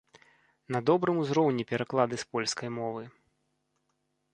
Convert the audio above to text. На добрым узроўні пераклады з польскай мовы.